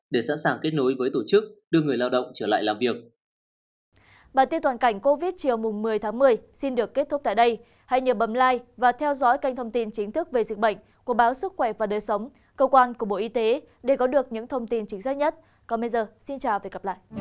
để sẵn sàng kết nối với tổ chức đưa người lao động trở lại làm việc